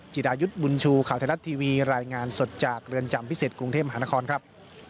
ดายุทธ์บุญชูข่าวไทยรัฐทีวีรายงานสดจากเรือนจำพิเศษกรุงเทพมหานครครับ